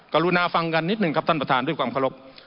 กรุณาฟังกันนิดหนึ่งครับท่านประธานด้วยความเคารพ